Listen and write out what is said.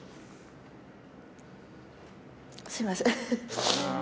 すみません。